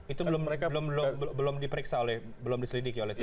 itu mereka belum diperiksa oleh belum diselidiki oleh polisi